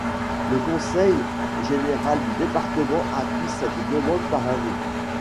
Le Conseil général du département appuie cette demande par un vœu.